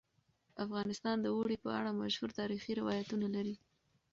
افغانستان د اوړي په اړه مشهور تاریخی روایتونه لري.